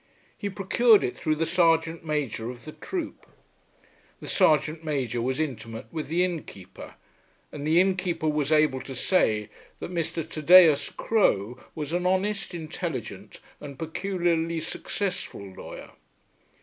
He procured it through the sergeant major of the troop. The sergeant major was intimate with the innkeeper, and the innkeeper was able to say that Mr. Thaddeus Crowe was an honest, intelligent, and peculiarly successful lawyer.